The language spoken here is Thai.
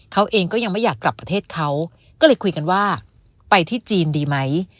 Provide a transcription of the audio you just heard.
เขาเองก็ยังไม่อยากกลับประเทศเขาก็เลยคุยกันว่าไปที่จีนดีไหม